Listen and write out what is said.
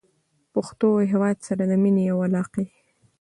پښتو او هېواد سره د مینې او علاقې